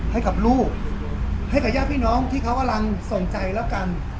ให้กับย่าพี่น้องที่เค้าลังส่งใจแล้วกัน